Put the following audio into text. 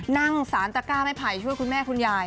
นั่งสารตะก้าไม่ไผ่ช่วยคุณแม่คุณยาย